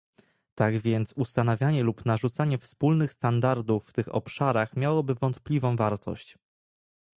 Tak więc ustanawianie lub narzucanie wspólnych standardów w tych obszarach miałoby wątpliwą wartość